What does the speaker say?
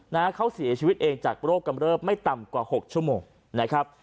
นะฮะเขาเสียชีวิตเองจากโรคกำเริบไม่ต่ำกว่าหกชั่วโมงนะครับ